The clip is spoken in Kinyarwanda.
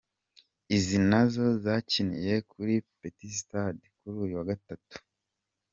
Izi nazo zakiniye kuri Petit Stade kuri uyu wa Gatatu.